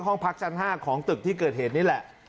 ห้องพักชั้น๕ของตึกที่เกิดเหตุนี่แหละ